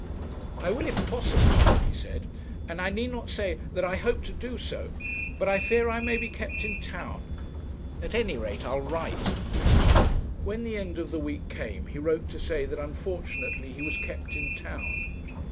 'I will if possible,' he said, 'and I need not say that I hope to do so; but I fear I may be kept in town at any rate I'll write.' When the end of the week came he wrote to say that unfortunately he was kept in town.